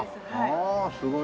ああすごい。